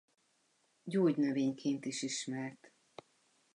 Gyógynövényként is ismert.